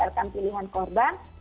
berdasarkan pilihan korban